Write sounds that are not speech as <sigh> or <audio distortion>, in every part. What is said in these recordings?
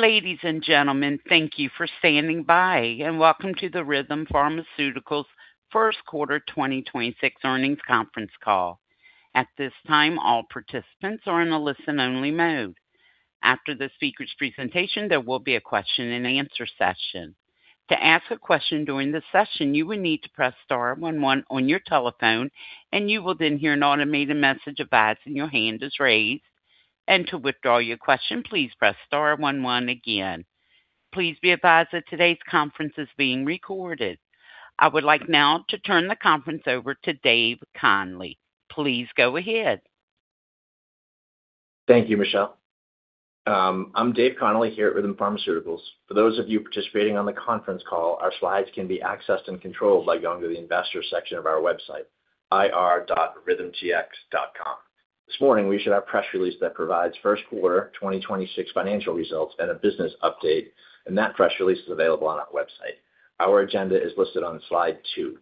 Ladies and gentlemen, thank you for standing by, and welcome to the Rhythm Pharmaceuticals first quarter 2026 earnings conference call. At this time, all participants are in a listen-only mode. After the speakers' presentation, there will be a question and answer session. To ask a question during the session, you would need to press star one one on your telephone and you will then hear an automated message advising your hand is raised and to withdraw your question, please press star one one again. Please be advised that today's conference is being recorded. I would like now to turn the conference over to Dave Connolly. Please go ahead. Thank you, Michelle. I'm Dave Connolly here at Rhythm Pharmaceuticals. For those of you participating on the conference call, our slides can be accessed and controlled by going to the investor section of our website, ir.rhythmtx.com. This morning, we issued our press release that provides first quarter 2026 financial results and a business update, and that press release is available on our website. Our agenda is listed on slide two.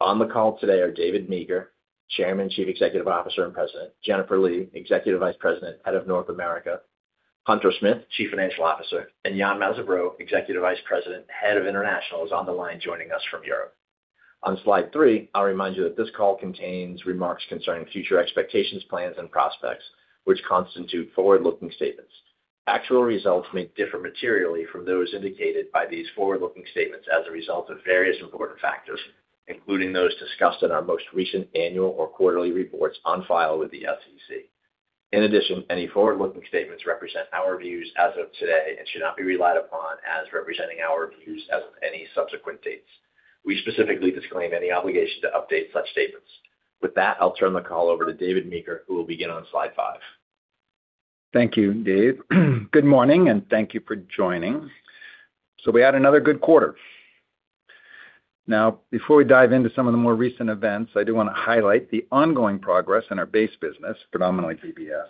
On the call today are David Meeker, Chairman, Chief Executive Officer, and President; Jennifer Lee, Executive Vice President, Head of North America; Hunter Smith, Chief Financial Officer; and Yann Mazabraud, Executive Vice President, Head of International, is on the line joining us from Europe. On slide three, I'll remind you that this call contains remarks concerning future expectations, plans, and prospects which constitute forward-looking statements. Actual results may differ materially from those indicated by these forward-looking statements as a result of various important factors, including those discussed in our most recent annual or quarterly reports on file with the SEC. In addition, any forward-looking statements represent our views as of today and should not be relied upon as representing our views as of any subsequent dates. We specifically disclaim any obligation to update such statements. With that, I'll turn the call over to David Meeker, who will begin on slide five. Thank you, Dave. Good morning, and thank you for joining. We had another good quarter. Now, before we dive into some of the more recent events, I do wanna highlight the ongoing progress in our base business, predominantly BBS.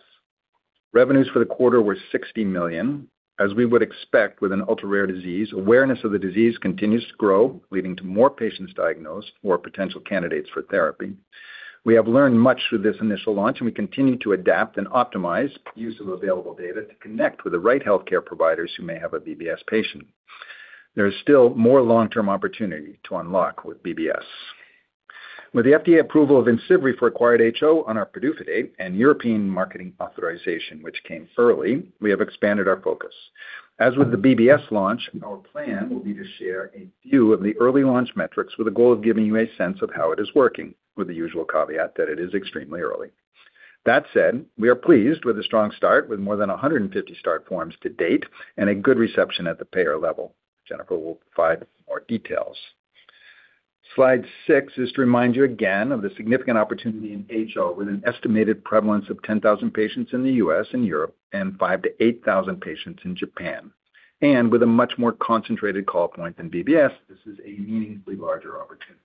Revenues for the quarter were $60 million. As we would expect with an ultra-rare disease, awareness of the disease continues to grow, leading to more patients diagnosed, more potential candidates for therapy. We have learned much through this initial launch, and we continue to adapt and optimize use of available data to connect with the right healthcare providers who may have a BBS patient. There is still more long-term opportunity to unlock with BBS. With the FDA approval of IMCIVREE for acquired HO on our PDUFA date and European marketing authorization, which came early, we have expanded our focus. As with the BBS launch, our plan will be to share a view of the early launch metrics with a goal of giving you a sense of how it is working with the usual caveat that it is extremely early. That said, we are pleased with a strong start with more than 150 start forms to date and a good reception at the payer level. Jennifer will provide more details. Slide six is to remind you again of the significant opportunity in HO with an estimated prevalence of 10,000 patients in the U.S. and Europe and 5,000-8,000 patients in Japan. With a much more concentrated call point than BBS, this is a meaningfully larger opportunity.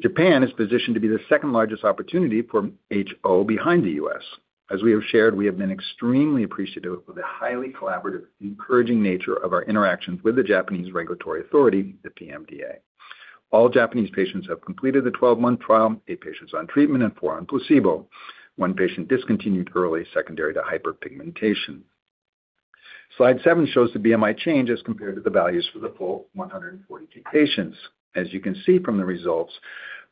Japan is positioned to be the second-largest opportunity for HO behind the U.S. As we have shared, we have been extremely appreciative of the highly collaborative, encouraging nature of our interactions with the Japanese Regulatory Authority, the PMDA. All Japanese patients have completed the 12-month trial, eight patients on treatment and four on placebo. One patient discontinued early secondary to hyperpigmentation. Slide seven shows the BMI change as compared to the values for the full 142 patients. As you can see from the results,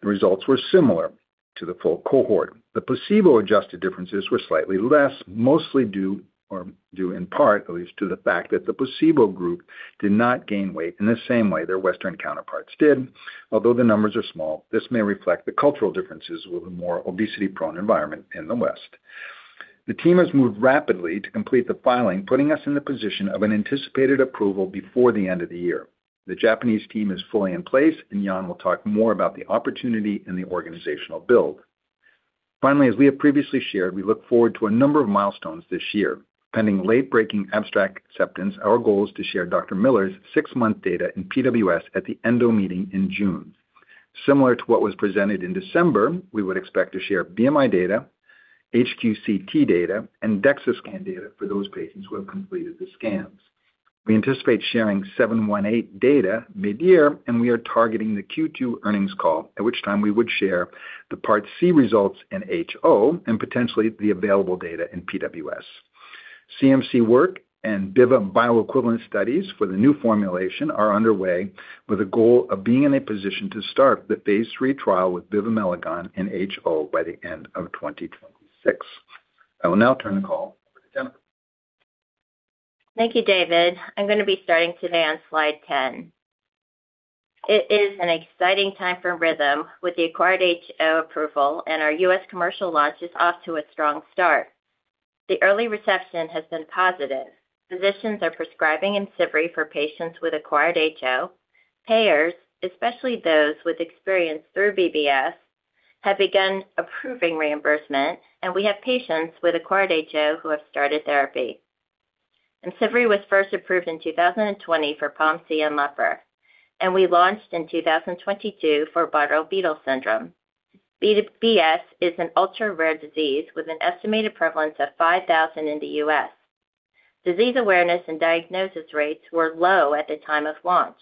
the results were similar to the full cohort. The placebo-adjusted differences were slightly less, mostly due or due in part, at least to the fact that the placebo group did not gain weight in the same way their Western counterparts did. Although the numbers are small, this may reflect the cultural differences with a more obesity-prone environment in the West. The team has moved rapidly to complete the filing, putting us in the position of an anticipated approval before the end of the year. The Japanese team is fully in place, and Yann will talk more about the opportunity and the organizational build. Finally, as we have previously shared, we look forward to a number of milestones this year. Pending late-breaking abstract acceptance, our goal is to share Dr. Miller's six-month data in PWS at the ENDO meeting in June. Similar to what was presented in December, we would expect to share BMI data, HQ-CT data, and DEXA scan data for those patients who have completed the scans. We anticipate sharing RM-718 data mid-year, and we are targeting the Q2 earnings call, at which time we would share the Part C results in HO and potentially the available data in PWS. CMC work and bioequivalent studies for the new formulation are underway with a goal of being in a position to start the phase III trial with bivamelagon in HO by the end of 2026. I will now turn the call over to Jennifer. Thank you, David. I'm gonna be starting today on slide 10. It is an exciting time for Rhythm with the acquired HO approval and our U.S. commercial launch is off to a strong start. The early reception has been positive. Physicians are prescribing IMCIVREE for patients with acquired HO. Payers, especially those with experience through BBS, have begun approving reimbursement, and we have patients with acquired HO who have started therapy. IMCIVREE was first approved in 2020 for POMC and LEPR, and we launched in 2022 for Bardet-Biedl syndrome. BBS is an ultra-rare disease with an estimated prevalence of 5,000 in the U.S. Disease awareness and diagnosis rates were low at the time of launch.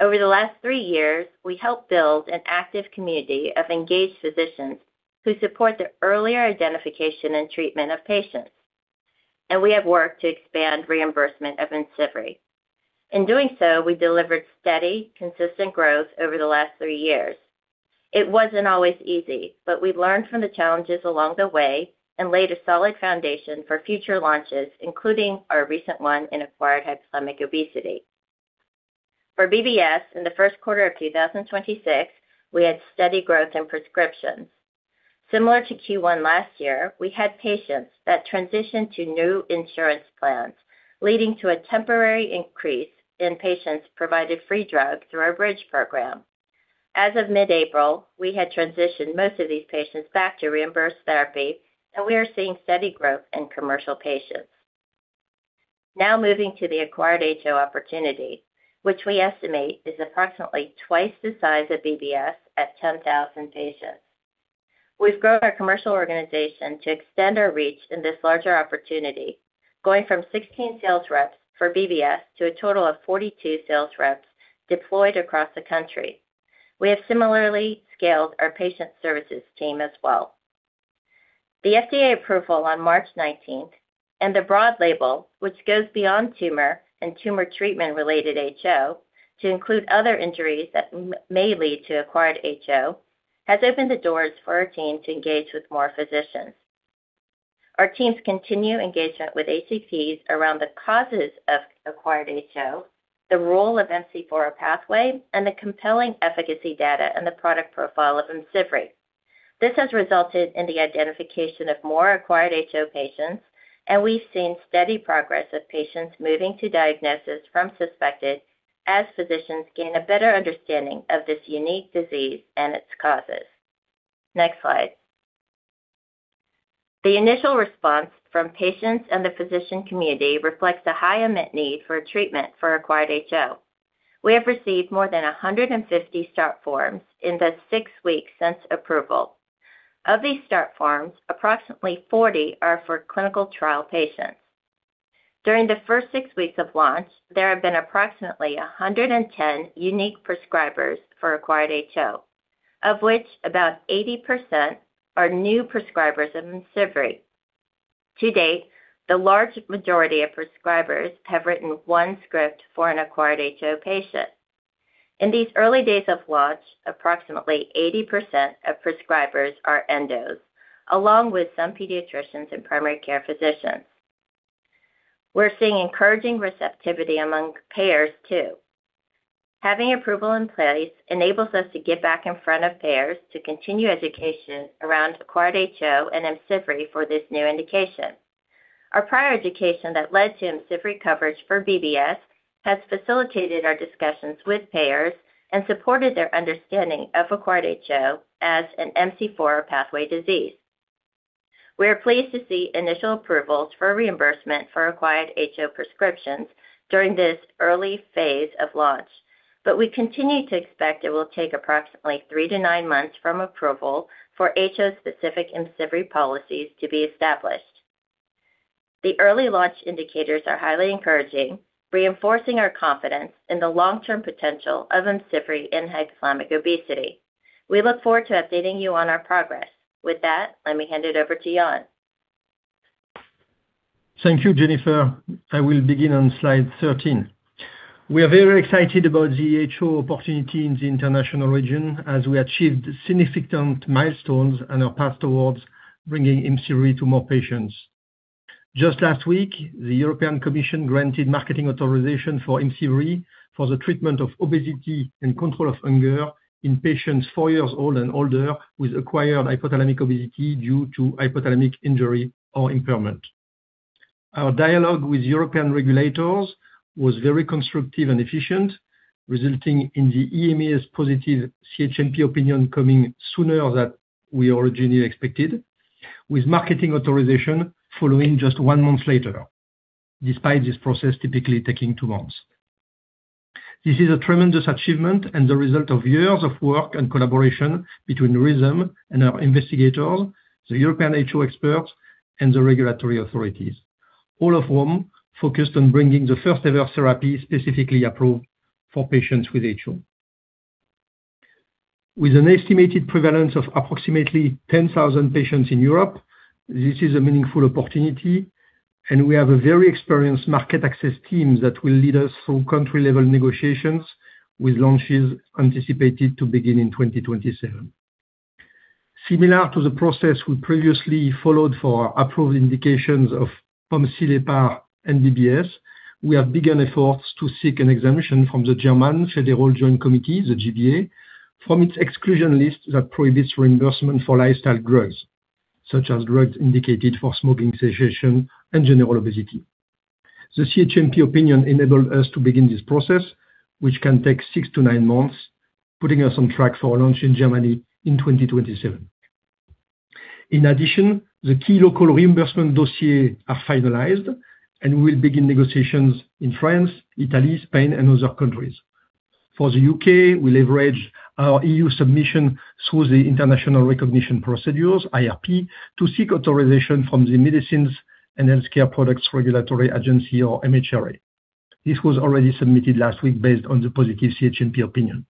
Over the last three years, we helped build an active community of engaged physicians who support the earlier identification and treatment of patients, and we have worked to expand reimbursement of IMCIVREE. In doing so, we delivered steady, consistent growth over the last three years. It wasn't always easy, but we've learned from the challenges along the way and laid a solid foundation for future launches, including our recent one in acquired hypothalamic obesity. For BBS, in the first quarter of 2026, we had steady growth in prescriptions. Similar to Q1 last year, we had patients that transitioned to new insurance plans, leading to a temporary increase in patients provided free drug through our Bridge Program. As of mid-April, we had transitioned most of these patients back to reimbursed therapy, and we are seeing steady growth in commercial patients. Now moving to the acquired HO opportunity, which we estimate is approximately twice the size of BBS at 10,000 patients. We've grown our commercial organization to extend our reach in this larger opportunity, going from 16 sales reps for BBS to a total of 42 sales reps deployed across the country. We have similarly scaled our patient services team as well. The FDA approval on March 19th and the broad label, which goes beyond tumor and tumor treatment-related HO to include other injuries that may lead to acquired HO, has opened the doors for our team to engage with more physicians. Our teams continue engagement with HCPs around the causes of acquired HO, the role of MC4R pathway, and the compelling efficacy data and the product profile of IMCIVREE. This has resulted in the identification of more acquired HO patients, and we've seen steady progress of patients moving to diagnosis from suspected as physicians gain a better understanding of this unique disease and its causes. Next slide. The initial response from patients and the physician community reflects a high unmet need for treatment for acquired HO. We have received more than 150 start forms in the six weeks since approval. Of these start forms, approximately 40 are for clinical trial patients. During the first six weeks of launch, there have been approximately 110 unique prescribers for acquired HO, of which about 80% are new prescribers of IMCIVREE. To date, the large majority of prescribers have written one script for an acquired HO patient. In these early days of launch, approximately 80% of prescribers are endos, along with some pediatricians and primary care physicians. We're seeing encouraging receptivity among payers too. Having approval in place enables us to get back in front of payers to continue education around acquired HO and IMCIVREE for this new indication. Our prior education that led to IMCIVREE coverage for BBS has facilitated our discussions with payers and supported their understanding of acquired HO as an MC4R pathway disease. We are pleased to see initial approvals for reimbursement for acquired HO prescriptions during this early phase of launch, but we continue to expect it will take approximately three to nine months from approval for HO-specific IMCIVREE policies to be established. The early launch indicators are highly encouraging, reinforcing our confidence in the long-term potential of IMCIVREE in hypothalamic obesity. We look forward to updating you on our progress. With that, let me hand it over to Yann. Thank you, Jennifer. I will begin on slide 13. We are very excited about the HO opportunity in the international region as we achieved significant milestones on our path towards bringing IMCIVREE to more patients. Just last week, the European Commission granted marketing authorization for IMCIVREE for the treatment of obesity and control of hunger in patients four years old and older with acquired hypothalamic obesity due to hypothalamic injury or impairment. Our dialogue with European regulators was very constructive and efficient, resulting in the [EMA's] positive CHMP opinion coming sooner than we originally expected, with marketing authorization following just one month later, despite this process typically taking two months. This is a tremendous achievement and the result of years of work and collaboration between Rhythm and our investigators, the European HO experts, and the regulatory authorities, all of whom focused on bringing the first-ever therapy specifically approved for patients with HO. With an estimated prevalence of approximately 10,000 patients in Europe, this is a meaningful opportunity, and we have a very experienced market access team that will lead us through country-level negotiations with launches anticipated to begin in 2027. Similar to the process we previously followed for our approved indications of POMC/LEPR and BBS, we have begun efforts to seek an exemption from the German Federal Joint Committee, the G-BA, from its exclusion list that prohibits reimbursement for lifestyle drugs, such as drugs indicated for smoking cessation and general obesity. The CHMP opinion enabled us to begin this process, which can take six to nine months, putting us on track for a launch in Germany in 2027. In addition, the key local reimbursement dossier are finalized, and we will begin negotiations in France, Italy, Spain, and other countries. For the U.K., we leverage our E.U. submission through the International Recognition Procedures, IRP, to seek authorization from the Medicines and Healthcare products Regulatory Agency or MHRA. This was already submitted last week based on the positive CHMP opinion.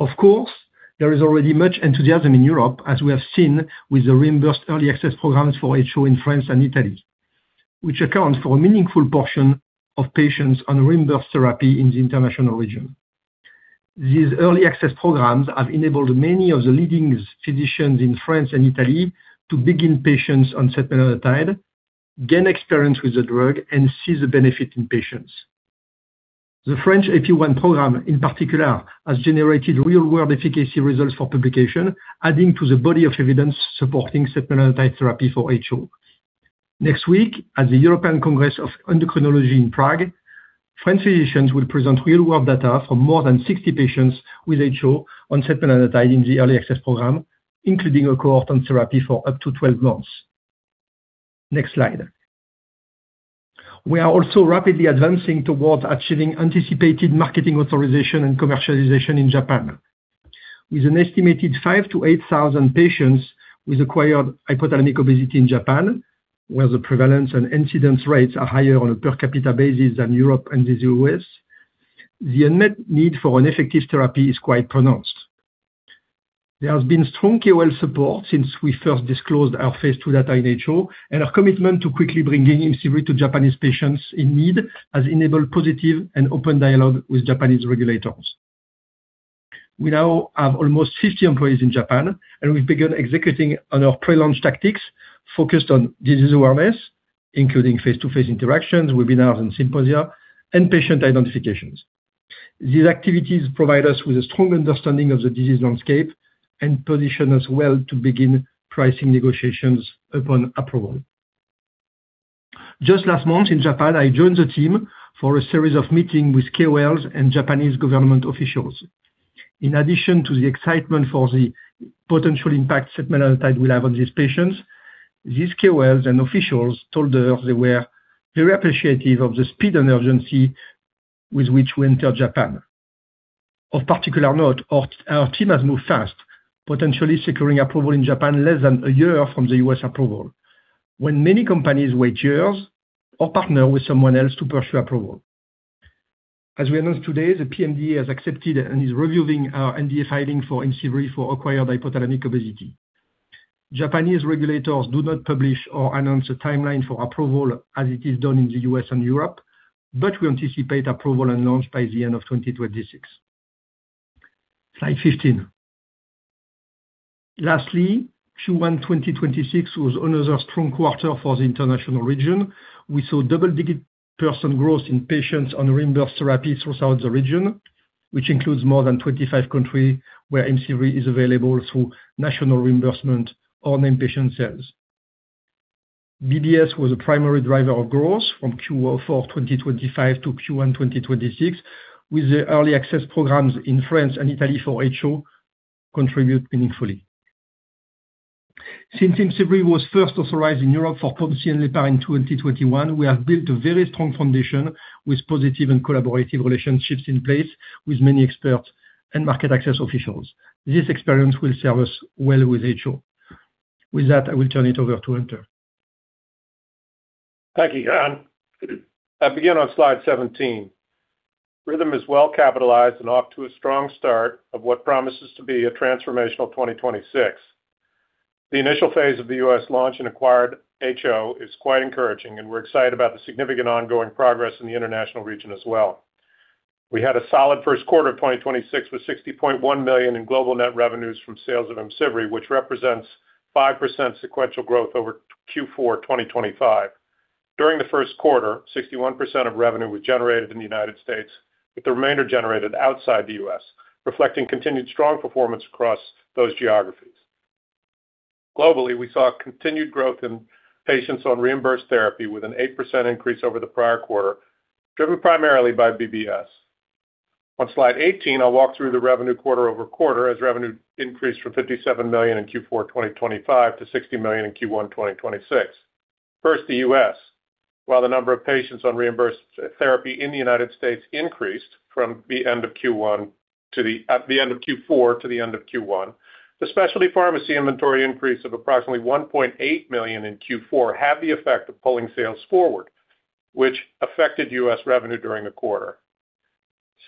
Of course, there is already much enthusiasm in Europe, as we have seen with the reimbursed early access programs for HO in France and Italy, which account for a meaningful portion of patients on reimbursed therapy in the international region. These early access programs have enabled many of the leading physicians in France and Italy to begin patients on setmelanotide, gain experience with the drug, and see the benefit in patients. The French AP1 program, in particular, has generated real world efficacy results for publication, adding to the body of evidence supporting setmelanotide therapy for HO. Next week, at the European Congress of Endocrinology in Prague, French physicians will present real world data from more than 60 patients with HO on setmelanotide in the early access program, including a cohort on therapy for up to 12 months. Next slide. We are also rapidly advancing towards achieving anticipated marketing authorization and commercialization in Japan. With an estimated 5,000-8,000 patients with acquired hypothalamic obesity in Japan, where the prevalence and incidence rates are higher on a per capita basis than Europe and the U.S., the unmet need for an effective therapy is quite pronounced. There has been strong KOL support since we first disclosed our phase II data in HO. Our commitment to quickly bringing IMCIVREE to Japanese patients in need has enabled positive and open dialogue with Japanese regulators. We now have almost 50 employees in Japan. We've begun executing on our pre-launch tactics focused on disease awareness, including face-to-face interactions, webinars and symposia, and patient identifications. These activities provide us with a strong understanding of the disease landscape and position us well to begin pricing negotiations upon approval. Just last month in Japan, I joined the team for a series of meetings with KOLs and Japanese government officials. In addition to the excitement for the potential impact setmelanotide will have on these patients, these KOLs and officials told us they were very appreciative of the speed and urgency with which we entered Japan. Of particular note, our team has moved fast, potentially securing approval in Japan less than a year from the U.S. approval, when many companies wait years or partner with someone else to pursue approval. As we announced today, the PMDA has accepted and is reviewing our NDA filing for IMCIVREE for acquired hypothalamic obesity. Japanese regulators do not publish or announce a timeline for approval as it is done in the U.S. and Europe, but we anticipate approval and launch by the end of 2026. Slide 15. Lastly, Q1 2026 was another strong quarter for the international region. We saw double-digit percent growth in patients on reimbursed therapy throughout the region, which includes more than 25 countries where IMCIVREE is available through national reimbursement or named patient sales. BBS was a primary driver of growth from Q4 2025 to Q1 2026, with the early access programs in France and Italy for HO contribute meaningfully. Since IMCIVREE was first authorized in Europe for POMC and LEPR in 2021, we have built a very strong foundation with positive and collaborative relationships in place with many experts and market access officials. This experience will serve us well with HO. With that, I will turn it over to Hunter. Thank you, Yann. I begin on slide 17. Rhythm is well capitalized and off to a strong start of what promises to be a transformational 2026. The initial phase of the U.S. launch in acquired HO is quite encouraging, and we're excited about the significant ongoing progress in the international region as well. We had a solid first quarter of 2026 with $60.1 million in global net revenues from sales of IMCIVREE, which represents 5% sequential growth over Q4 2025. During the first quarter, 61% of revenue was generated in the United States, with the remainder generated outside the U.S., reflecting continued strong performance across those geographies. Globally, we saw continued growth in patients on reimbursed therapy with an 8% increase over the prior quarter, driven primarily by BBS. On slide 18, I'll walk through the revenue quarter-over-quarter as revenue increased from $57 million in Q4 2025 to $60 million in Q1 2026. First, the U.S. While the number of patients on reimbursed therapy in the United States increased from the end of Q4 to the end of Q1, the specialty pharmacy inventory increase of approximately $1.8 million in Q4 had the effect of pulling sales forward, which affected U.S. revenue during the quarter.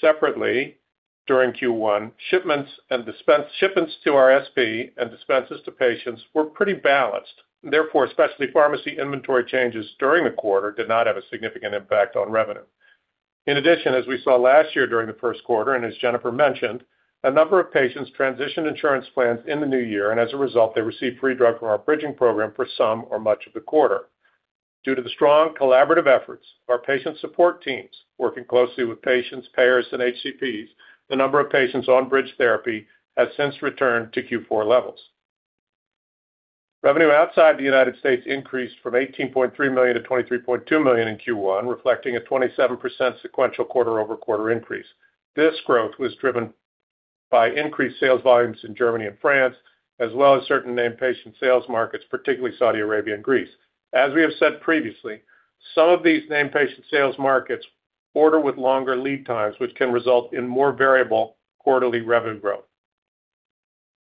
Separately, during Q1, shipments to our SP and dispenses to patients were pretty balanced. Therefore, specialty pharmacy inventory changes during the quarter did not have a significant impact on revenue. In addition, as we saw last year during the first quarter, and as Jennifer mentioned, a number of patients transitioned insurance plans in the new year, and as a result, they received free drug from our bridging program for some or much of the quarter. Due to the strong collaborative efforts of our patient support teams working closely with patients, payers, and HCPs, the number of patients on bridge therapy has since returned to Q4 levels. Revenue outside the United States increased from $18.3 million-$23.2 million in Q1, reflecting a 27% sequential quarter-over-quarter increase. This growth was driven by increased sales volumes in Germany and France, as well as certain named patient sales markets, particularly Saudi Arabia and Greece. As we have said previously, some of these named patient sales markets order with longer lead times, which can result in more variable quarterly revenue growth.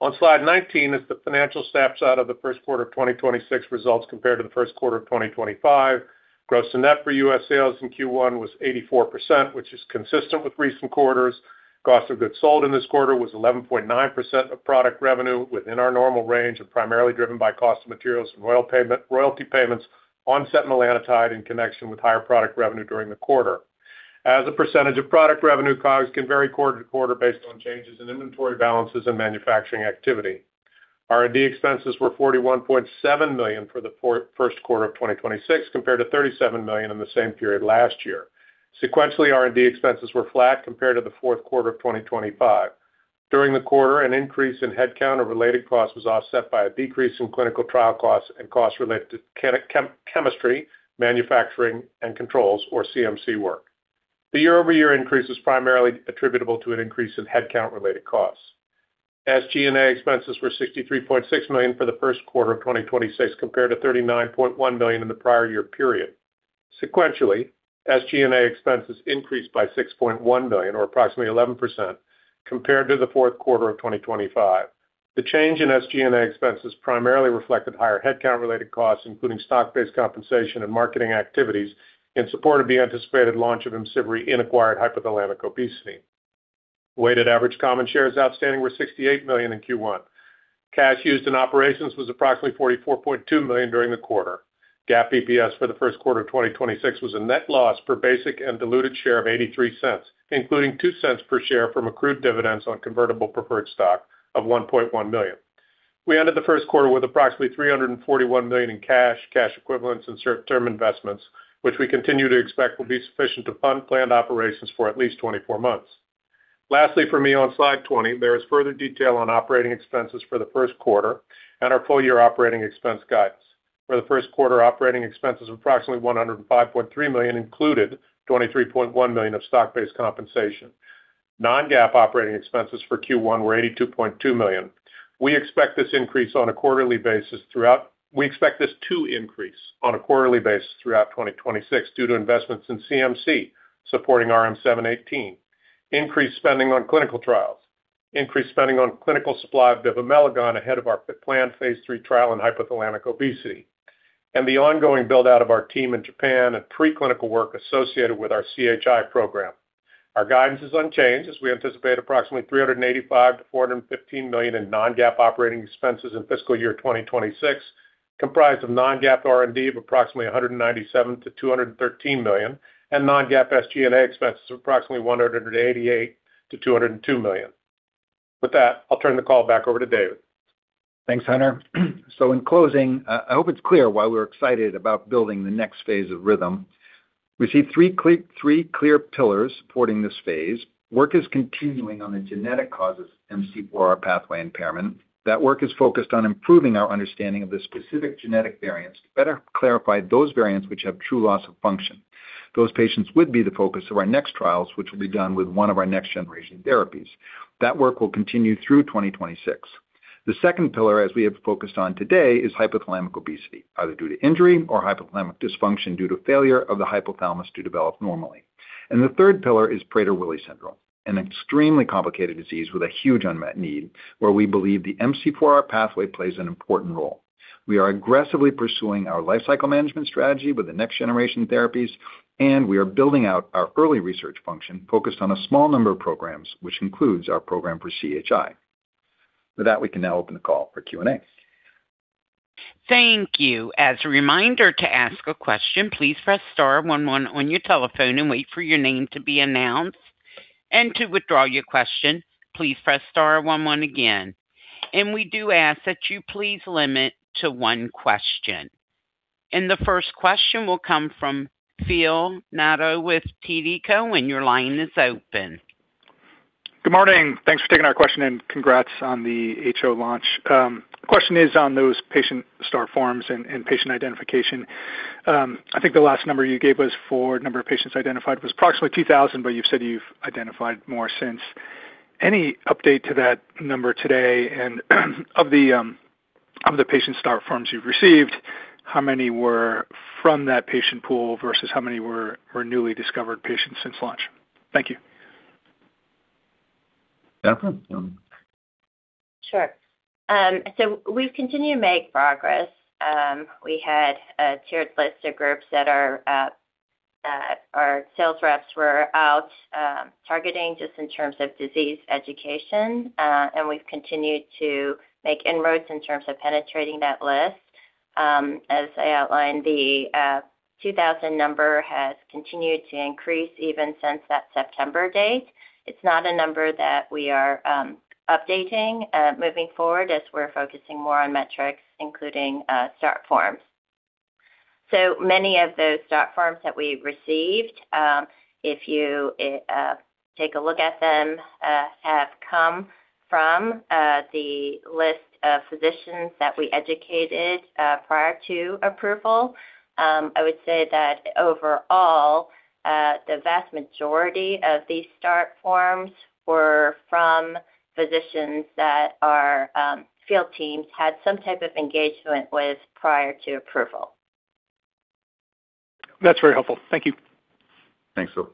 On slide 19 is the financial snapshot of the first quarter of 2026 results compared to the first quarter of 2025. Gross to net for U.S. sales in Q1 was 84%, which is consistent with recent quarters. Cost of goods sold in this quarter was 11.9% of product revenue within our normal range and primarily driven by cost of materials from royalty payments on setmelanotide in connection with higher product revenue during the quarter. As a percentage of product revenue, COGS can vary quarter to quarter based on changes in inventory balances and manufacturing activity. R&D expenses were $41.7 million for the first quarter of 2026, compared to $37 million in the same period last year. Sequentially, R&D expenses were flat compared to the fourth quarter of 2025. During the quarter, an increase in headcount or related costs was offset by a decrease in clinical trial costs and costs related to chemistry, manufacturing and controls or CMC work. The year-over-year increase is primarily attributable to an increase in headcount-related costs. SG&A expenses were $63.6 million for the first quarter of 2026, compared to $39.1 million in the prior year period. Sequentially, SG&A expenses increased by $6.1 million or approximately 11% compared to the fourth quarter of 2025. The change in SG&A expenses primarily reflected higher headcount-related costs, including stock-based compensation and marketing activities in support of the anticipated launch of IMCIVREE in acquired hypothalamic obesity. Weighted average common shares outstanding were 68 million in Q1. Cash used in operations was approximately $44.2 million during the quarter. GAAP EPS for the first quarter of 2026 was a net loss per basic and diluted share of $0.83, including $0.02 per share from accrued dividends on convertible preferred stock of $1.1 million. We ended the first quarter with approximately $341 million in cash [and cash] equivalents and certain term investments, which we continue to expect will be sufficient to fund planned operations for at least 24 months. Lastly, for me on slide 20, there is further detail on operating expenses for the first quarter and our full year operating expense guidance. For the first quarter, operating expenses of approximately $105.3 million included $23.1 million of stock-based compensation. Non-GAAP operating expenses for Q1 were $82.2 million. We expect this to increase on a quarterly basis throughout 2026 due to investments in CMC supporting RM-718, increased spending on clinical trials, increased spending on clinical supply of bivamelagon ahead of our planned phase III trial in hypothalamic obesity, and the ongoing build-out of our team in Japan and preclinical work associated with our CHI program. Our guidance is unchanged as we anticipate approximately $385 million-$415 million in non-GAAP operating expenses in fiscal year 2026, comprised of non-GAAP R&D of approximately $197 million-$213 million, and non-GAAP SG&A expenses of approximately $188 million-$202 million. With that, I'll turn the call back over to Dave. Thanks, Hunter. In closing, I hope it's clear why we're excited about building the next phase of Rhythm. We see three clear pillars supporting this phase. Work is continuing on the genetic causes MC4R pathway impairment. That work is focused on improving our understanding of the specific genetic variants to better clarify those variants which have true loss of function. Those patients would be the focus of our next trials, which will be done with one of our next-generation therapies. That work will continue through 2026. The second pillar, as we have focused on today, is hypothalamic obesity, either due to injury or hypothalamic dysfunction due to failure of the hypothalamus to develop normally. The third pillar is Prader-Willi syndrome, an extremely complicated disease with a huge unmet need where we believe the MC4R pathway plays an important role. We are aggressively pursuing our lifecycle management strategy with the next-generation therapies, and we are building out our early research function focused on a small number of programs, which includes our program for CHI. With that, we can now open the call for Q&A. Thank you. As a reminder, to ask a question, please press star one one on your telephone and wait for your name to be announced and to withdraw your question, please press star one one again. We do ask that you please limit to one question. The first question will come from Phil Nadeau with TD Cowen. Your line is open. Good morning. Thanks for taking our question and congrats on the HO launch. The question is on those patient start forms and patient identification. I think the last number you gave was for number of patients identified was approximately 2,000, but you've said you've identified more since. Any update to that number today? Of the patient start forms you've received, how many were from that patient pool versus how many were newly discovered patients since launch? Thank you. Jennifer, you want? <audio distortion> Sure. We've continued to make progress. We had a tiered list of groups that our sales reps were out targeting just in terms of disease education. We've continued to make inroads in terms of penetrating that list. As I outlined, the 2,000 number has continued to increase even since that September date. It's not a number that we are updating moving forward as we're focusing more on metrics, including start forms. Many of those start forms that we received, if you take a look at them, have come from the list of physicians that we educated prior to approval. I would say that overall, the vast majority of these start forms were from physicians that our field teams had some type of engagement with prior to approval. That's very helpful. Thank you. Thanks, Phil.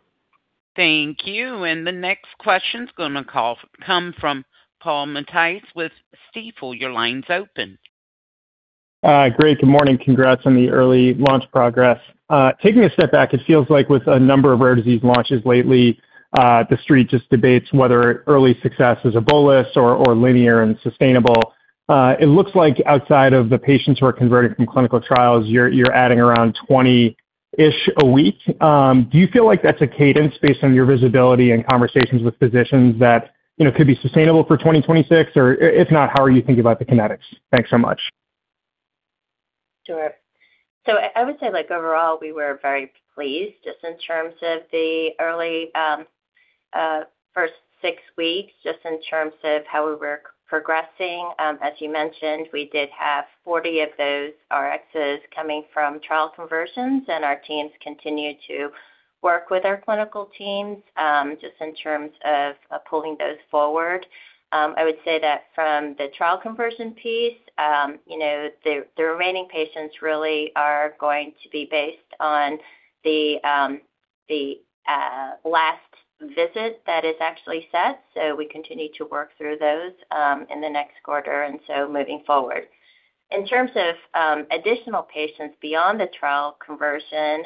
Thank you. The next question's come from Paul Matteis with Stifel. Your line's open. Great. Good morning. Congrats on the early launch progress. Taking a step back, it feels like with a number of rare disease launches lately, the street just debates whether early success is a bolus or linear and sustainable. It looks like outside of the patients who are converted from clinical trials, you're adding around 20-ish a week. Do you feel like that's a cadence based on your visibility and conversations with physicians that, you know, could be sustainable for 2026? Or if not, how are you thinking about the kinetics? Thanks so much. Sure. I would say, like, overall, we were very pleased just in terms of the early, first six weeks, just in terms of how we were progressing. As you mentioned, we did have 40 of those Rxs coming from trial conversions, and our teams continue to work with our clinical teams, just in terms of pulling those forward. I would say that from the trial conversion piece, you know, the remaining patients really are going to be based on the last visit that is actually set. We continue to work through those in the next quarter and so moving forward. In terms of additional patients beyond the trial conversion,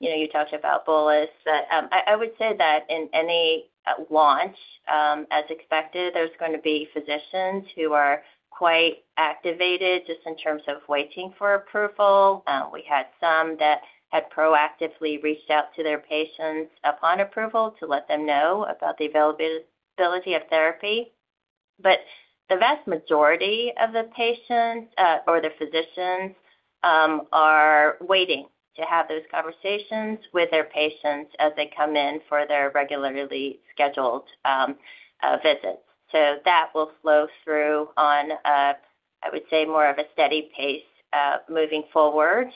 you know, you talked about bolus. I would say that in any launch, as expected, there's gonna be physicians who are quite activated just in terms of waiting for approval. We had some that had proactively reached out to their patients upon approval to let them know about the availability of therapy. The vast majority of the patients, or the physicians, are waiting to have those conversations with their patients as they come in for their regularly scheduled visits. That will flow through on a, I would say, more of a steady pace, moving forward.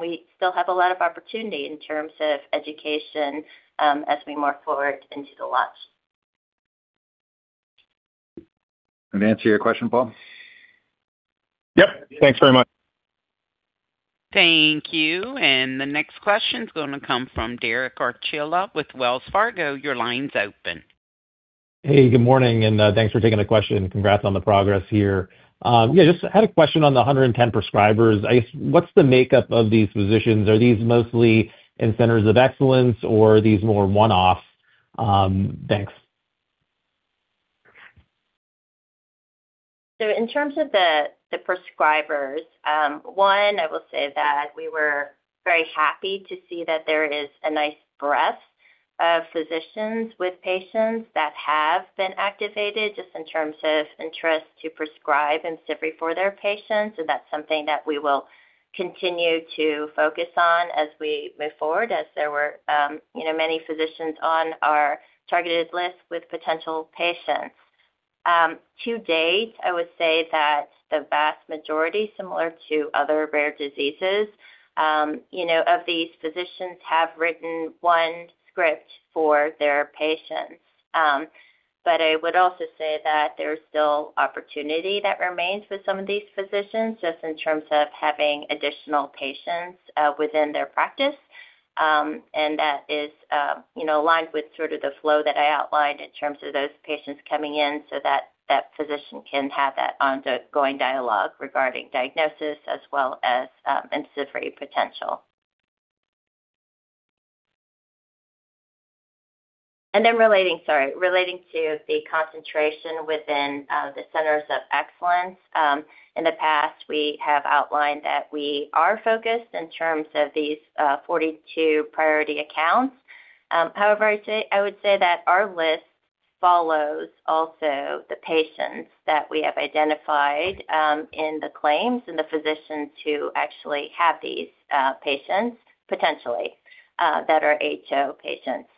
We still have a lot of opportunity in terms of education, as we move forward into the launch. Did [that] answer your question, Paul? Yep. Thanks very much. Thank you. The next question's gonna come from Derek Archila with Wells Fargo. Your line's open. Hey, good morning, and thanks for taking the question. Congrats on the progress here. Yeah, just had a question on the 110 prescribers. I guess, what's the makeup of these physicians? Are these mostly in centers of excellence or these more one-off? Thanks. In terms of the prescribers, one, I will say that we were very happy to see that there is a nice breadth of physicians with patients that have been activated just in terms of interest to prescribe IMCIVREE for their patients. That's something that we will continue to focus on as we move forward as there were, you know, many physicians on our targeted list with potential patients. To date, I would say that the vast majority, similar to other rare diseases, you know, of these physicians have written one script for their patients. I would also say that there's still opportunity that remains with some of these physicians just in terms of having additional patients within their practice. That is, you know, aligned with sort of the flow that I outlined in terms of those patients coming in so that that physician can have that ongoing dialogue regarding diagnosis as well as IMCIVREE potential. Relating to the concentration within the centers of excellence, in the past, we have outlined that we are focused in terms of these 42 priority accounts. However, I would say that our list follows also the patients that we have identified in the claims and the physicians who actually have these patients potentially that are HO patients.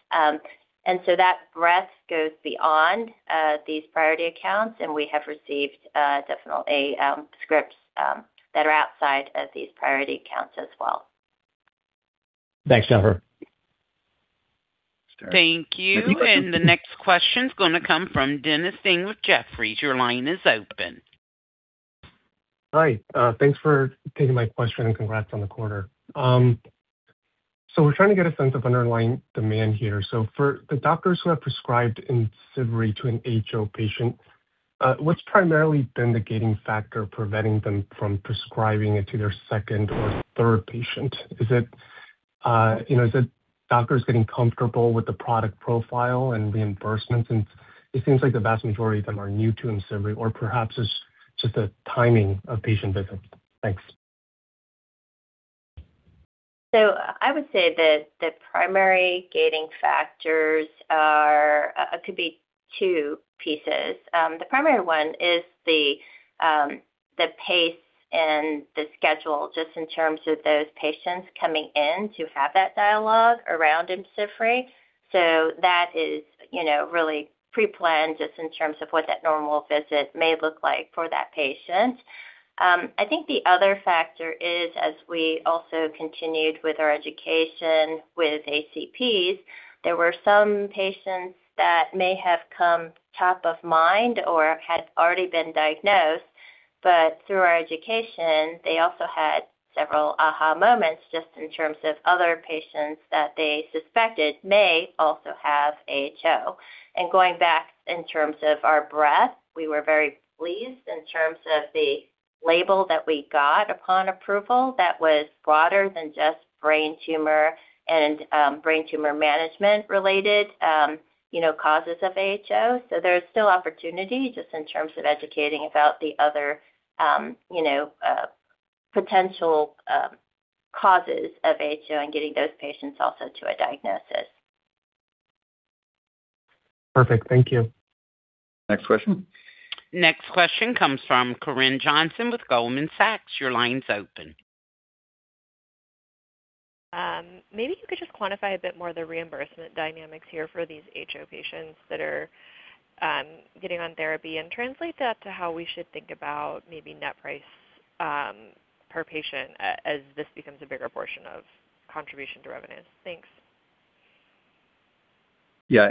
That breadth goes beyond these priority accounts, and we have received definitely scripts that are outside of these priority accounts as well. Thanks, Jennifer. Sure. Thank you. <crosstalk> The next question's gonna come from Dennis Ting with Jefferies. Your line is open. Hi. Thanks for taking my question, and congrats on the quarter. We're trying to get a sense of underlying demand here. For the doctors who have prescribed IMCIVREE to an HO patient, what's primarily been the gating factor preventing them from prescribing it to their second or third patient? Is it, you know, is it doctors getting comfortable with the product profile and reimbursements? It seems like the vast majority of them are new to IMCIVREE, or perhaps it's just the timing of patient visits. Thanks. I would say that the primary gating factors are, could be two pieces. The primary one is the pace and the schedule just in terms of those patients coming in to have that dialogue around IMCIVREE. That is, you know, really pre-planned just in terms of what that normal visit may look like for that patient. I think the other factor is, as we also continued with our education with HCPs, there were some patients that may have come top of mind or had already been diagnosed, but through our education, they also had several aha moments just in terms of other patients that they suspected may also have HO. Going back in terms of our breadth, we were very pleased in terms of the label that we got upon approval that was broader than just brain tumor and brain tumor management-related, you know, causes of HO. There's still opportunity just in terms of educating about the other, you know, potential causes of HO and getting those patients also to a diagnosis. Perfect. Thank you. Next question. Next question comes from Corinne Johnson with Goldman Sachs. Your line's open. Maybe you could just quantify a bit more the reimbursement dynamics here for these HO patients that are getting on therapy and translate that to how we should think about maybe net price per patient as this becomes a bigger portion of contribution to revenue. Thanks. Yeah.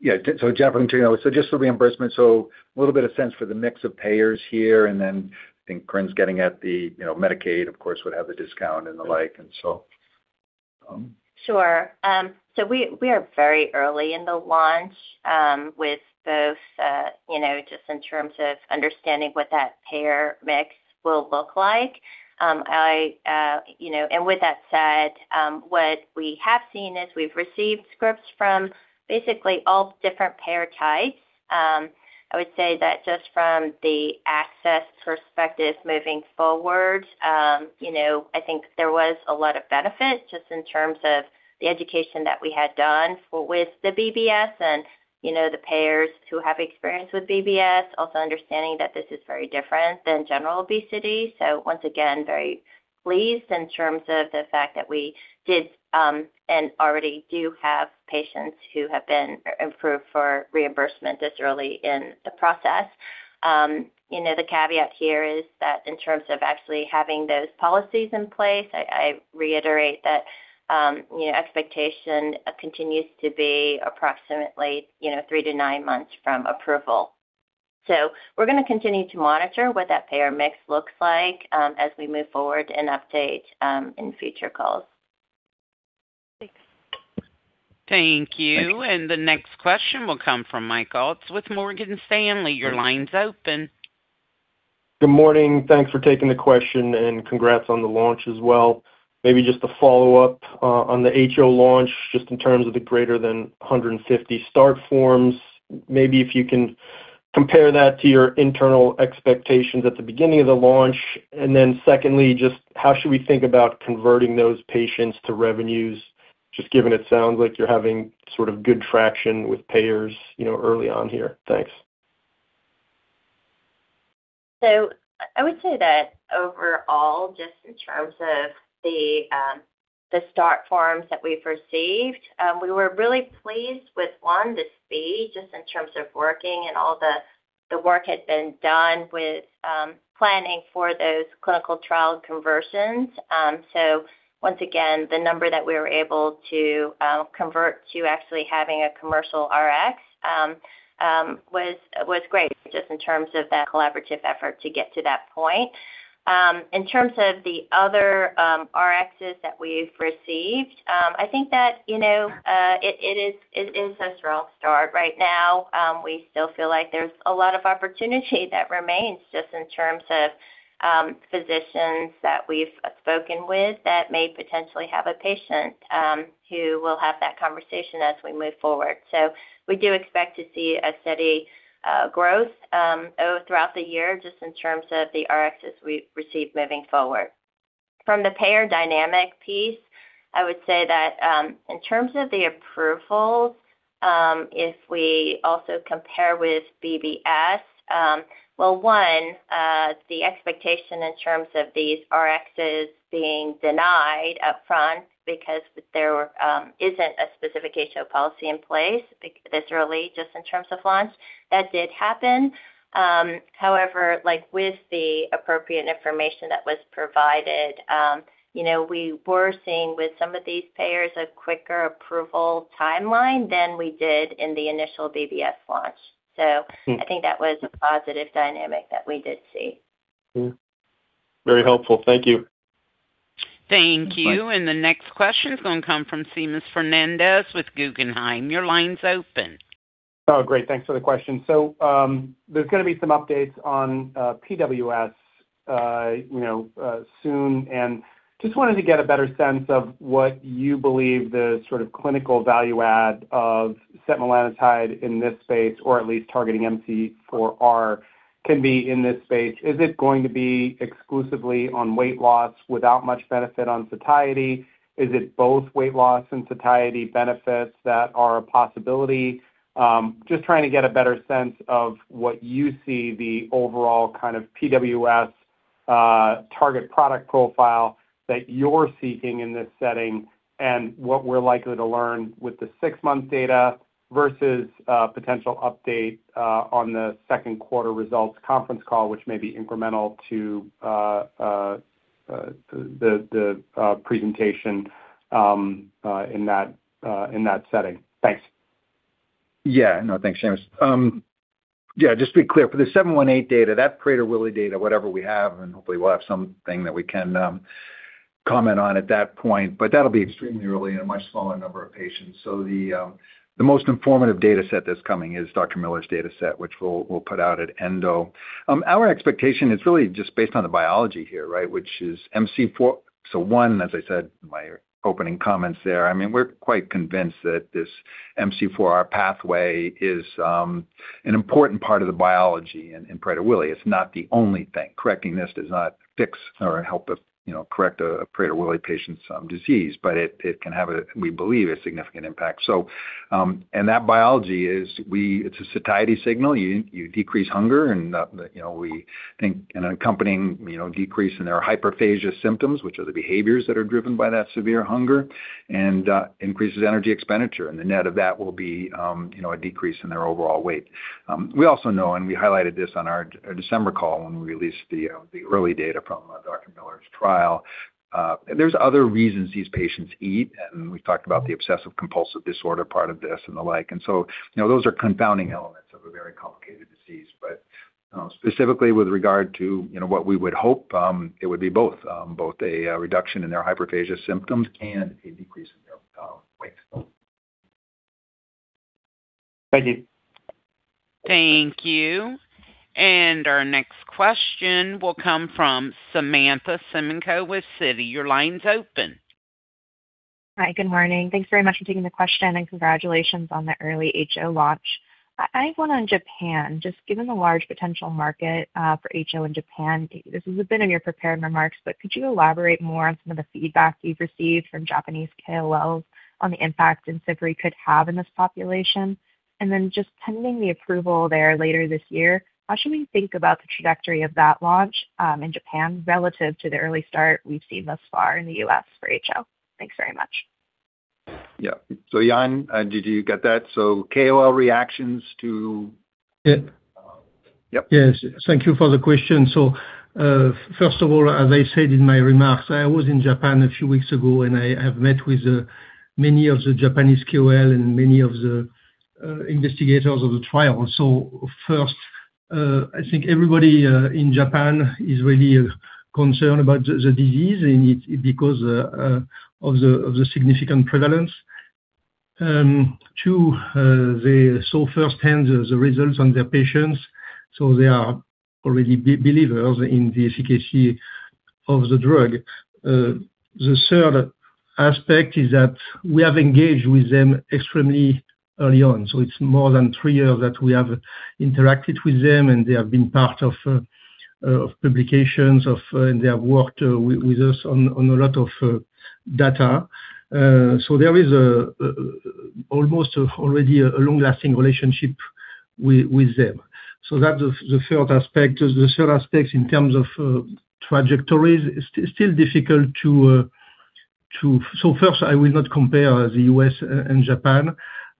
Yeah. [Jen], I'm. <audio distortion> Just the reimbursement. A little bit of sense for the mix of payers here, and then I think Corinne's getting at the, you know, Medicaid, of course, would have a discount and the like... Sure. We are very early in the launch, with both, you know, just in terms of understanding what that payer mix will look like. I, you know, and with that said, what we have seen is we've received scripts from basically all different payer types. I would say that just from the access perspective moving forward, you know, I think there was a lot of benefit just in terms of the education that we had done with the BBS and, you know, the payers who have experience with BBS, also understanding that this is very different than general obesity. Once again, very pleased in terms of the fact that we did, and already do have patients who have been approved for reimbursement this early in the process. You know, the caveat here is that in terms of actually having those policies in place, I reiterate that, you know, expectation continues to be approximately, you know, three to nine months from approval. We're gonna continue to monitor what that payer mix looks like, as we move forward and update in future calls. Thanks. Thank you. Thank you. The next question will come from Michael Utz with Morgan Stanley. Your line's open. Good morning. Thanks for taking the question, and congrats on the launch as well. Maybe just a follow-up on the HO launch, just in terms of the greater than 150 start forms. Maybe if you can compare that to your internal expectations at the beginning of the launch. Secondly, just how should we think about converting those patients to revenues? Just given it sounds like you're having sort of good traction with payers, you know, early on here. Thanks. I would say that overall, just in terms of the start forms that we've received, we were really pleased with, one, the speed, just in terms of working and all the work had been done with planning for those clinical trial conversions. Once again, the number that we were able to convert to actually having a commercial Rx, was great just in terms of that collaborative effort to get to that point. In terms of the other [Rxs] that we've received, I think that, you know, it is a strong start right now. We still feel like there's a lot of opportunity that remains just in terms of physicians that we've spoken with that may potentially have a patient, who will have that conversation as we move forward. We do expect to see a steady growth throughout the year just in terms of the Rxs we receive moving forward. From the payer dynamic piece, I would say that in terms of the approvals, if we also compare with BBS, well, one, the expectation in terms of these Rxs being denied up front because there isn't a specific HO policy in place this early just in terms of launch, that did happen. However, like with the appropriate information that was provided, you know, we were seeing with some of these payers a quicker approval timeline than we did in the initial BBS launch. I think that was a positive dynamic that we did see. Very helpful. Thank you. Thank you. Thanks. The next question is gonna come from Seamus Fernandez with Guggenheim. Your line's open. Great. Thanks for the question. There's gonna be some updates on PWS, you know, soon. Just wanted to get a better sense of what you believe the sort of clinical value add of setmelanotide in this space, or at least targeting MC4R can be in this space. Is it going to be exclusively on weight loss without much benefit on satiety? Is it both weight loss and satiety benefits that are a possibility? Just trying to get a better sense of what you see the overall kind of PWS target product profile that you're seeking in this setting and what we're likely to learn with the six-month data versus a potential update on the second quarter results conference call, which may be incremental to the presentation in that setting. Thanks. No, thanks, Seamus. Just to be clear, for the 718 data, that Prader-Willi data, whatever we have, and hopefully we'll have something that we can comment on at that point, that'll be extremely early in a much smaller number of patients. The most informative data set that's coming is Dr. Miller's data set, which we'll put out at ENDO. Our expectation is really just based on the biology here, right? Which is [MC4R]. So one, as I said in my opening comments there, I mean, we're quite convinced that this MC4R pathway is an important part of the biology in Prader-Willi. It's not the only thing. Correcting this does not fix or help us, you know, correct a Prader-Willi patient's disease, it can have a, we believe, a significant impact. And that biology is it's a satiety signal. You, you decrease hunger and, you know, we think an accompanying, you know, decrease in their hyperphagia symptoms, which are the behaviors that are driven by that severe hunger and increases energy expenditure. The net of that will be, you know, a decrease in their overall weight. We also know, and we highlighted this on our December call when we released the early data from Dr. Miller's trial. There's other reasons these patients eat, and we've talked about the obsessive compulsive disorder part of this and the like. You know, those are confounding elements of a very complicated disease. Specifically with regard to, you know, what we would hope, it would be both a reduction in their hyperphagia symptoms and a decrease in their weight. Thank you. Thank you. Our next question will come from Samantha Semenkow with Citi. Your line's open. Hi. Good morning. Thanks very much for taking the question and congratulations on the early HO launch. I have one on Japan. Given the large potential market for HO in Japan, this is a bit in your prepared remarks, but could you elaborate more on some of the feedback you've received from Japanese KOLs on the impact IMCIVREE could have in this population? Pending the approval there later this year, how should we think about the trajectory of that launch in Japan relative to the early start we've seen thus far in the U.S. for HO? Thanks very much. Yeah. Yann, did you get that? KOL reactions to- Yeah. Yep. Yes. Thank you for the question. First of all, as I said in my remarks, I was in Japan a few weeks ago, and I have met with many of the Japanese KOL and many of the investigators of the trial. First, I think everybody in Japan is really concerned about the disease because of the significant prevalence. Two, they saw firsthand the results on their patients, so they are already believers in the efficacy of the drug. The third aspect is that we have engaged with them extremely early on. It's more than three years that we have interacted with them, and they have been part of publications and they have worked with us on a lot of data. There is almost already a long-lasting relationship with them. That's the third aspect. The third aspect in terms of trajectories is still difficult to, first, I will not compare the U.S. and Japan.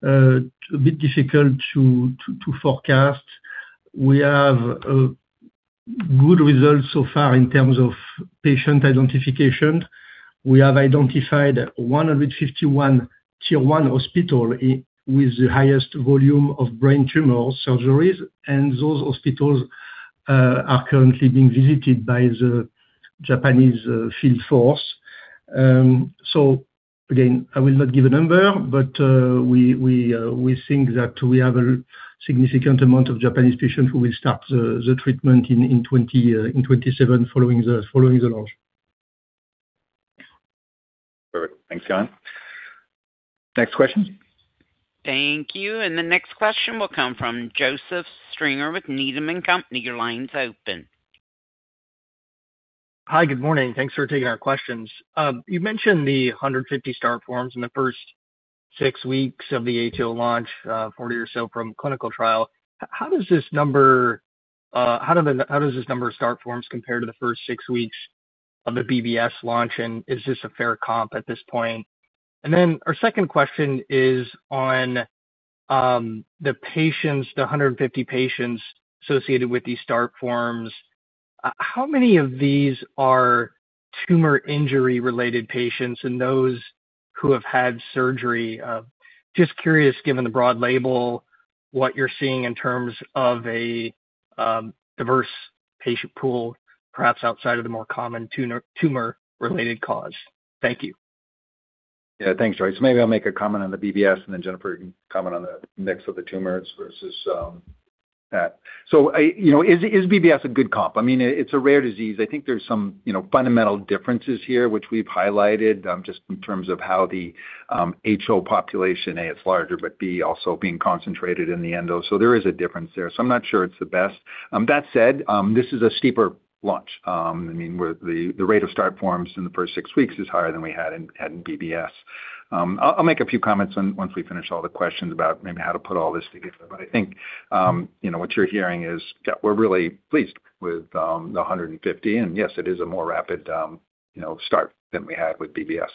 A bit difficult to forecast. We have good results so far in terms of patient identification. We have identified 151 Tier 1 hospital with the highest volume of brain tumor surgeries, and those hospitals are currently being visited by the Japanese field force. Again, I will not give a number, but we think that we have a significant amount of Japanese patients who will start the treatment in 2027 following the launch. Perfect. Thanks, Yann. Next question. Thank you. The next question will come from Joseph Stringer with Needham & Company. Your line's open. Hi. Good morning. Thanks for taking our questions. You mentioned the 150 start forms in the first six weeks of the HO launch, 40 or so from clinical trial. How does this number of start forms compare to the first six weeks of the BBS launch, is this a fair comp at this point? Our second question is on the patients, the 150 patients associated with these start forms. How many of these are tumor injury related patients and those who have had surgery? Just curious, given the broad label, what you're seeing in terms of a diverse patient pool, perhaps outside of the more common tumor-related cause. Thank you. Yeah. Thanks, [Joey]. Maybe I'll make a comment on the BBS and then Jennifer can comment on the mix of the tumors versus that. You know, is BBS a good comp? I mean, it's a rare disease. I think there's some, you know, fundamental differences here, which we've highlighted, just in terms of how the HO population, A, it's larger, but B, also being concentrated in the endo. There is a difference there. I'm not sure it's the best. That said, this is a steeper launch. I mean, where the rate of start forms in the first six weeks is higher than we had in BBS. I'll make a few comments once we finish all the questions about maybe how to put all this together. I think, you know, what you're hearing is, yeah, we're really pleased with 150. Yes, it is a more rapid, you know, start than we had with BBS.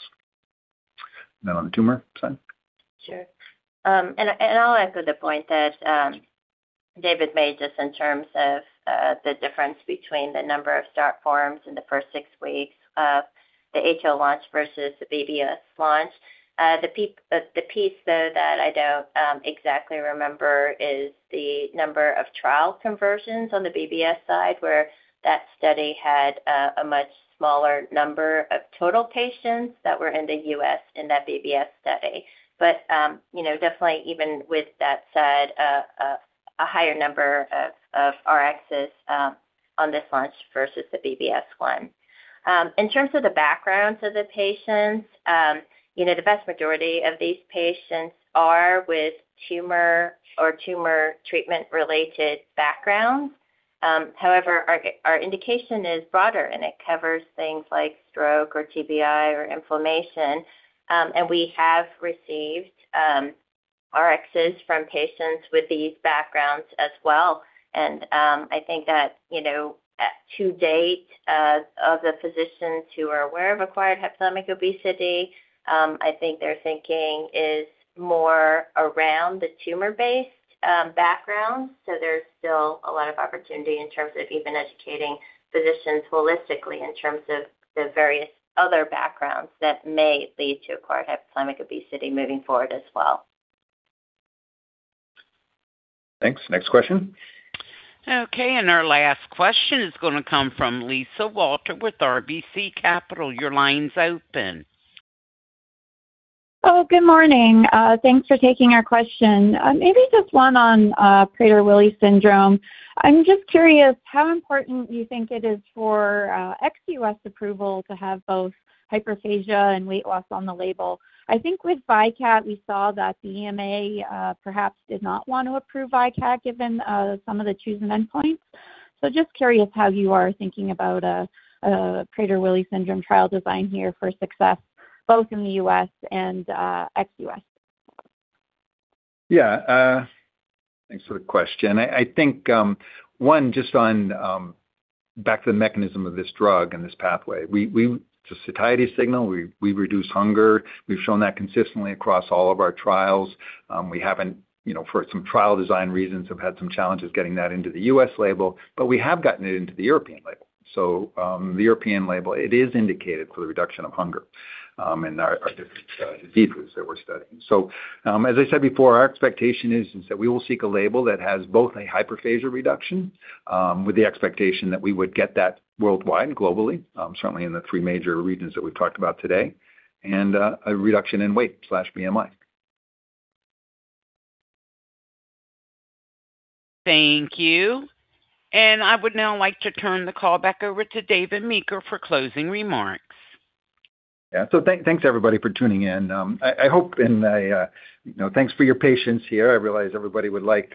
On the tumor side. Sure. I'll echo the point that David made just in terms of the difference between the number of start forms in the first six weeks of the HO launch versus the BBS launch. The piece though that I don't exactly remember is the number of trial conversions on the BBS side, where that study had a much smaller number of total patients that were in the U.S. in that BBS study. You know, definitely even with that said, a higher number of Rxs on this launch versus the BBS one. In terms of the backgrounds of the patients, you know, the vast majority of these patients are with tumor or tumor treatment-related backgrounds. However, our indication is broader, and it covers things like stroke or TBI or inflammation. We have received Rxs from patients with these backgrounds as well. I think that, you know, to date, of the physicians who are aware of acquired hypothalamic obesity, I think their thinking is more around the tumor-based background. There's still a lot of opportunity in terms of even educating physicians holistically in terms of the various other backgrounds that may lead to acquired hypothalamic obesity moving forward as well. Thanks. Next question. Okay, our last question is gonna come from Lisa Walter with RBC Capital. Your line's open. Good morning. Thanks for taking our question. Maybe just one on Prader-Willi syndrome. I'm just curious how important you think it is for ex-U.S. approval to have both hyperphagia and weight loss on the label. I think with VYKAT, we saw that the EMA perhaps did not want to approve VYKAT given some of the choosing endpoints. Just curious how you are thinking about Prader-Willi syndrome trial design here for success, both in the U.S. and ex-U.S. Thanks for the question. I think, one just on, back to the mechanism of this drug and this pathway. The satiety signal, we reduce hunger. We've shown that consistently across all of our trials. We haven't, you know, for some trial design reasons, have had some challenges getting that into the U.S. label, but we have gotten it into the European label. The European label, it is indicated for the reduction of hunger, in our different diseases that we're studying. As I said before, our expectation is that we will seek a label that has both a hyperphagia reduction, with the expectation that we would get that worldwide, globally, certainly in the three major regions that we've talked about today, and a reduction in weight/BMI. Thank you. I would now like to turn the call back over to David Meeker for closing remarks. Thanks everybody for tuning in. I hope and I, you know, thanks for your patience here. I realize everybody would like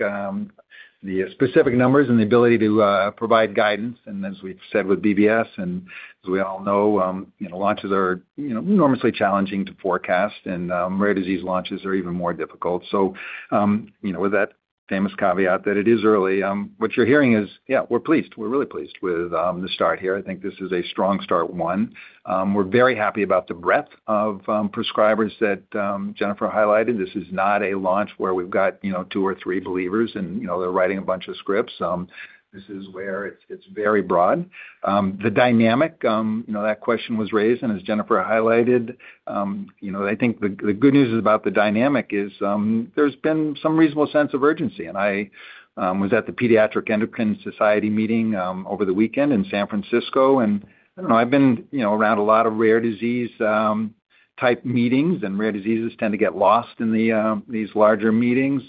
the specific numbers and the ability to provide guidance. As we've said with BBS, and as we all know, you know, launches are, you know, enormously challenging to forecast, and rare disease launches are even more difficult. You know, with that famous caveat that it is early, what you're hearing is we're pleased. We're really pleased with the start here. I think this is a strong start, one. We're very happy about the breadth of prescribers that Jennifer highlighted. This is not a launch where we've got, you know, two or three believers and, you know, they're writing a bunch of scripts. This is where it's very broad. The dynamic, that question was raised and as Jennifer highlighted, I think the good news about the dynamic is, there's been some reasonable sense of urgency. I was at the Pediatric Endocrine Society meeting over the weekend in San Francisco. I don't know, I've been around a lot of rare disease type meetings, and rare diseases tend to get lost in these larger meetings.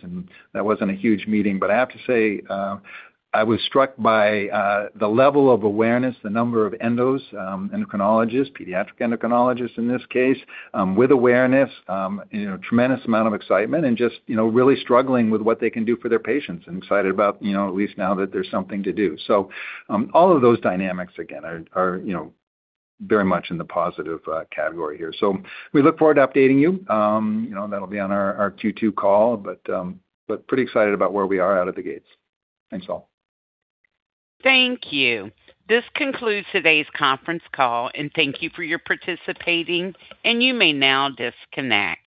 That wasn't a huge meeting. I have to say, I was struck by the level of awareness, the number of endos, endocrinologists, pediatric endocrinologists in this case, with awareness, you know, tremendous amount of excitement and just, you know, really struggling with what they can do for their patients and excited about, you know, at least now that there's something to do. All of those dynamics again are, you know, very much in the positive category here. We look forward to updating you. You know, that'll be on our Q2 call, but pretty excited about where we are out of the gates. Thanks, all. Thank you. This concludes today's conference call, and thank you for your participating, and you may now disconnect.